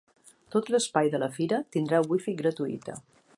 Tot l’espai de la fira tindrà wifi gratuïta.